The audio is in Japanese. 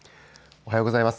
おはようございます。